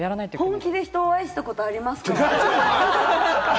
本気で人を愛したことありま